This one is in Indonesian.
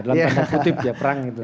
dalam tanda kutip ya perang gitu